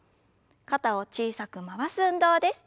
肩を小さく回す運動です。